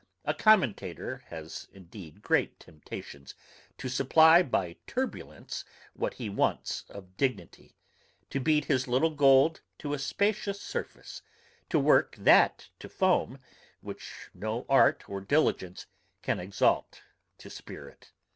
A commentator has indeed great temptations to supply by turbulence what he wants of dignity, to beat his little gold to a spacious surface, to work that to foam which no art or diligence can exalt to spirit.